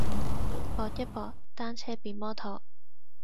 搏一搏，單車變摩托